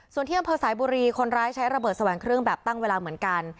ส่วนที่อำเภอสายบุรีคนร้ายใช้ระเบิดแสวงเครื่องแบบตั้งเวลาเหมือนกัน